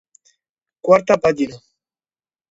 Quarta pàgina: